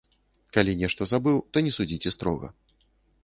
Калі нешта забыў, то не судзіце строга.